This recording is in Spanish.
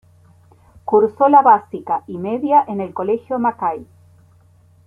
Cursó la básica y media en el Colegio Mackay.